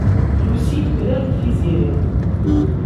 Lucy temlal-d Tiziri.